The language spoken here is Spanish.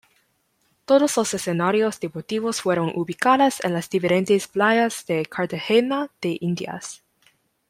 Todos los escenarios deportivos fueron ubicadas en las diferentes playas de Cartagena de Indias.